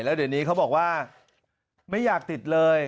แล้วเดี๋ยวนี้เขาบอกว่าไม่อยากติดเลย